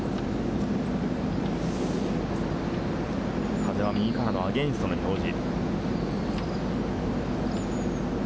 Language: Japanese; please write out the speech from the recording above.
風は右からのアゲンストの表示。